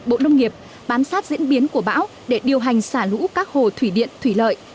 bộ nông nghiệp bám sát diễn biến của bão để điều hành xả lũ các hồ thủy điện thủy lợi